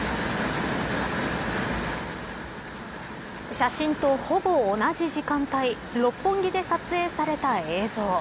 写真とほぼ同じ時間帯六本木で撮影された映像。